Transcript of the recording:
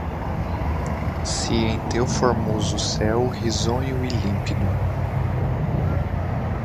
Se em teu formoso céu, risonho e límpido